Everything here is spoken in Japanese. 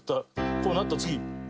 こうなった次。